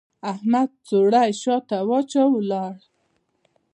احمد څوری شا ته واچاوو؛ ولاړ.